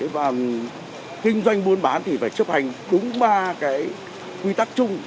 và kinh doanh buôn bán thì phải chấp hành đúng ba cái quy tắc chung